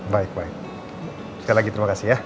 baik baik sekali lagi terima kasih ya